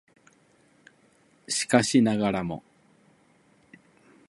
しかしながらも